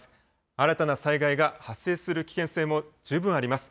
新たな災害が発生する危険性も十分あります。